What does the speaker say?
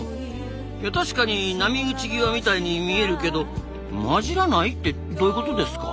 確かに波打ち際みたいに見えるけど混じらないってどういうことですか？